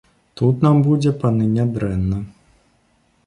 Тут нам будзе, паны, нядрэнна.